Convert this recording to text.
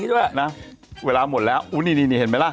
พี่จะเล่าให้ฉันฟังเลยมีแต่แบบจะตบกูทั้งวันเลยบอกขอกินหน่อยสิ